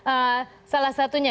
ini salah satunya